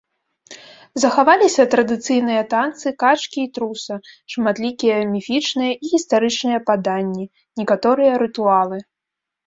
Захаваліся традыцыйныя танцы качкі і труса, шматлікія міфічныя і гістарычныя паданні, некаторыя рытуалы.